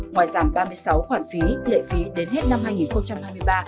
ngoài giảm ba mươi sáu khoản phí lệ phí đến hết năm hai nghìn hai mươi ba